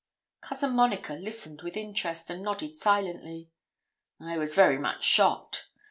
Cousin Monica listened with interest, and nodded silently. I was very much shocked.